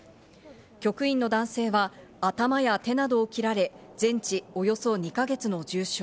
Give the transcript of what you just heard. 局員の男性は頭や手などを切られ、全治およそ２か月の重傷。